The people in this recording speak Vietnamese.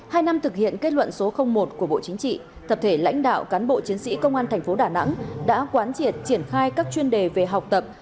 hai năm thực hiện kết luận số một của bộ chính trị tập thể lãnh đạo cán bộ chiến sĩ công an thành phố đà nẵng đã quán triệt triển khai các chuyên đề về học tập